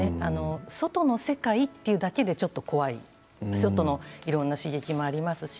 外の世界というだけでちょっと怖い外の刺激もありますし